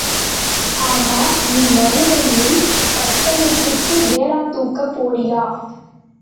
ஆமா, நீ மறுபடியும் பட்டணத்துக்கு டேரா தூக்கப் போறியா.